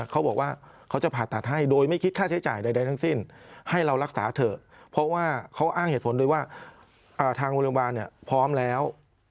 เขาอ้างเหตุผลโดยว่าอ่าทางโรงพยาบาลเนี่ยพร้อมแล้ว